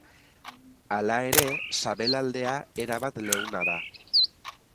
Hala ere, sabelaldea erabat leuna da.